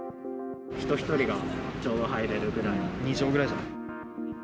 人１人がちょうど入れるぐら２畳ぐらいじゃない。